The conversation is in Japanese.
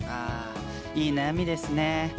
いい悩みですね。